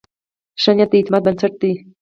ښه نیت د اعتماد بنسټ دی.